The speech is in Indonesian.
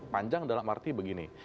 panjang dalam arti begini